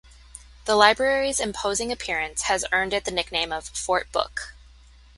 The library's imposing appearance has earned it the nickname of "Fort Book".